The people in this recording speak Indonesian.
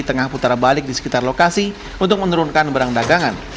tengah putar balik di sekitar lokasi untuk menurunkan barang dagangan